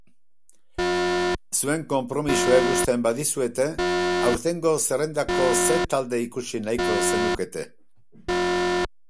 Zuen konpromisoek uzten badizuete, aurtengo zerrendako zer talde ikusi nahiko zenukete?